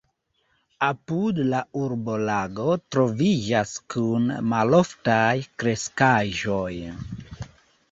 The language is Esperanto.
Apud la urbo lago troviĝas kun maloftaj kreskaĵoj.